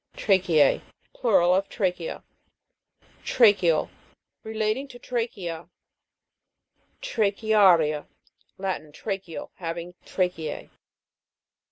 TRA'CHE^E. Plural of trachea. TRA'CHEAL, (tra'ke al). Relating to trachea. TRACHEA'RIA. Latin. Tracheal ; having tracheae.